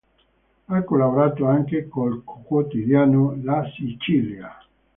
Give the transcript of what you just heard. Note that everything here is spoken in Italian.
Ha collaborato anche col quotidiano "La Sicilia".